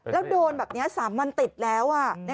แล้วโดนแบบนี้๓วันติดแล้ว